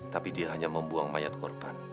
tapi dia hanya membuang mayat korban